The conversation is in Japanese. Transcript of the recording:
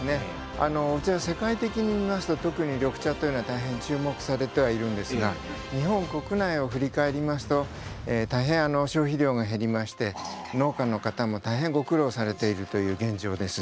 お茶は世界的に見ますと特に緑茶というのは大変、注目されてはいるんですが日本国内を振り返りますと大変、消費量が減りまして農家の方も大変ご苦労されている現状です。